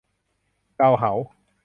เกาเหา !